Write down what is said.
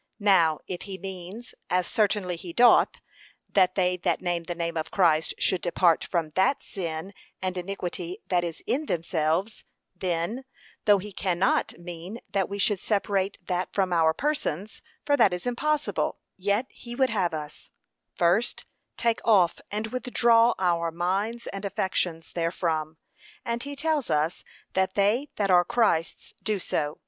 Now if he means, as certainly he doth, that they that name the name of Christ should depart from that sin and iniquity that is in themselves; then, though he cannot mean that we should separate that from our persons, for that is impossible, yet he would have us, First, Take off and withdraw our MINDS and AFFECTIONS therefrom. And he tells us that they that are Christ's do so.